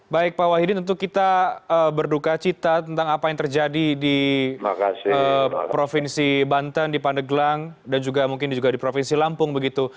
baik pak wahidin tentu kita berduka cita tentang apa yang terjadi di provinsi banten di pandeglang dan juga mungkin juga di provinsi lampung begitu